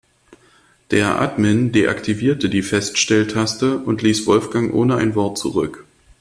Der Admin deaktivierte die Feststelltaste und ließ Wolfgang ohne ein Wort zurück.